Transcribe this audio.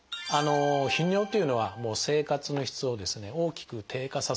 頻尿というのは生活の質をですね大きく低下させる症状ですね。